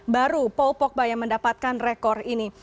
baru paul pogba yang mendapatkan rekor ini